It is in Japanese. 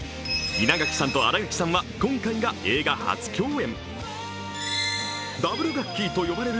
稲垣さんと新垣さんは今回が映画初共演。